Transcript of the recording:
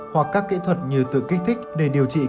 hoặc các kỹ thuật như tự kích thích